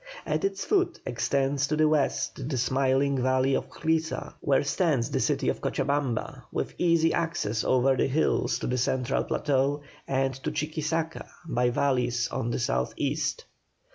At its foot extends to the west the smiling valley of Clisa, where stands the city of Cochabamba, with easy access over the hills to the central plateau, and to Chuquisaca by valleys on the south east.